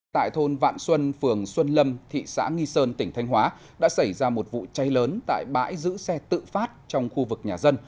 tại thôn vạn xuân phường xuân lâm thị xã nghi sơn tỉnh thanh hóa đã xảy ra một vụ cháy lớn tại bãi giữ xe tự phát trong khu vực nhà dân